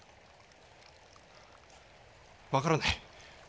分からない。